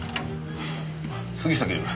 杉下警部